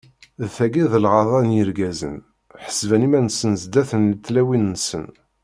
D tagi i d lɛada n yirgazen, ḥessben iman-nsen sdat n tlawin-nsen.